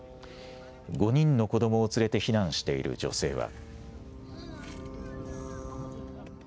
５人の子どもを連れて避難している女性は。